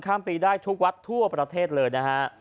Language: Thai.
ข้ามปีได้ทุกวัดทั่วประเทศเลยนะฮะ